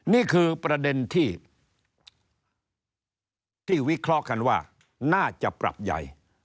นี่คือประเด็นที่วิเคราะห์กันว่าน่าจะปรับใหญ่